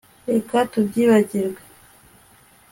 Reka tubyibagirwe